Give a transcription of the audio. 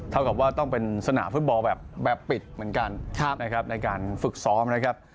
เท่ากับว่าต้องเป็นสนามฟุตบอลแบบปิดเหมือนกันนะครับในการฝึกซ้อมนะครับ